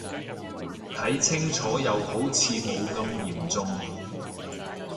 睇清楚又好似冇咁嚴重